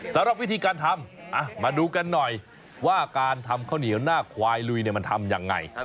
สำหรับวิธีการทำมาดูกันหน่อยว่าการทำข้าวเหนียวหน้าควายลุยมันทำยังไง